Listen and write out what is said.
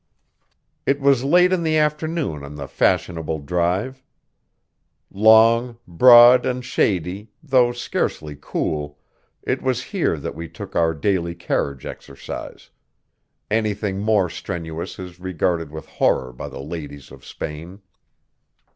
It was late in the afternoon on the fashionable drive. Long, broad, and shady, though scarcely cool, it was here that we took our daily carriage exercise; anything more strenuous is regarded with horror by the ladies of Spain.